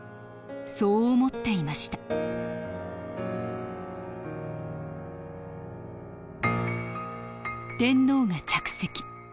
そう思っていました天皇が着席。